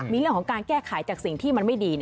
มีเรื่องของการแก้ไขจากสิ่งที่มันไม่ดี